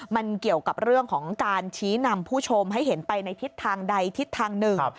มันเกี่ยวกับเรื่องของการชี้นำผู้ชมให้เห็นไปในทิศทางใดทิศทางหนึ่ง